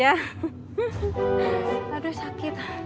aduh sakit aduh sakit